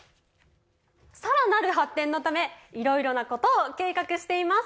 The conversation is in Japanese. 更なる発展のためいろいろなことを計画しています。